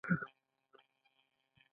آیا دوی د کچالو چپس نه جوړوي؟